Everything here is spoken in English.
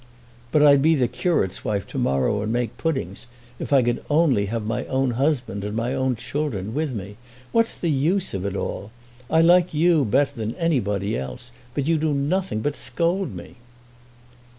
But I'd be the curate's wife to morrow, and make puddings, if I could only have my own husband and my own children with me. What's the use of it all? I like you better than anybody else, but you do nothing but scold me."